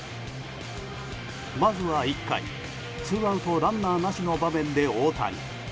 まずは１回、ツーアウトランナーなしの場面で大谷。